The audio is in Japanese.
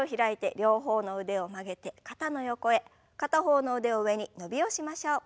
片方の腕を上に伸びをしましょう。